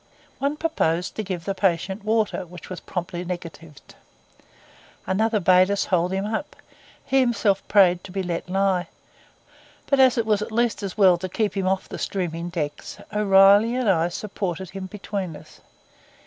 One proposed to give the patient water, which was promptly negatived. Another bade us hold him up; he himself prayed to be let lie; but as it was at least as well to keep him off the streaming decks, O'Reilly and I supported him between us.